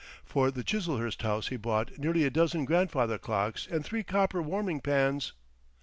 For the Chiselhurst house he bought nearly a dozen grandfather clocks and three copper warming pans.